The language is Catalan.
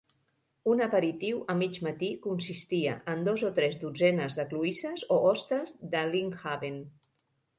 Un aperitiu a mig matí consistia en "dos o tres dotzenes de cloïsses o ostres de Lynnhaven".